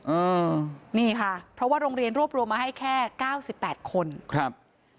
อืมนี่ค่ะเพราะว่าโรงเรียนรวบรวมมาให้แค่เก้าสิบแปดคนครับ